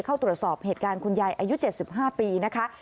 เข้าตรวจสอบเหตุการณ์คุณยายอายุ๗๕ปีนะคะ